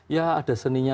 ya ada seninya